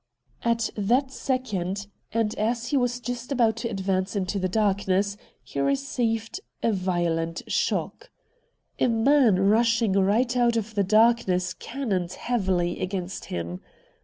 At that second, and as he was just about to advance into the darkness, he received a violent shock. A man rushing right out of the darkness cannoned heavily against him.